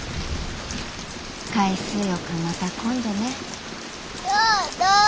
海水浴はまた今度ね。